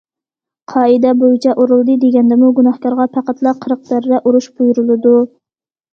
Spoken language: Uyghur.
قائىدە بويىچە ئۇرۇلدى دېگەندىمۇ گۇناھكارغا پەقەتلا قىرىق دەررە ئۇرۇش بۇيرۇلىدۇ.